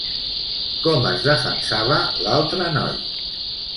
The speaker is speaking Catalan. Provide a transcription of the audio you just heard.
Com es defensava l'altre noi?